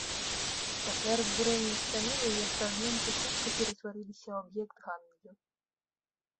Пасля разбурэння сцяны яе фрагменты хутка ператварыліся ў аб'ект гандлю.